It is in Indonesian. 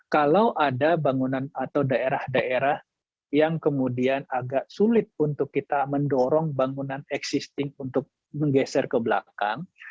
kalau ada bangunan atau daerah daerah yang kemudian agak sulit untuk kita mendorong bangunan existing untuk menggeser ke belakang